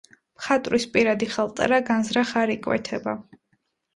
მხატვრის პირადი ხელწერა განზრახ არ იკვეთება.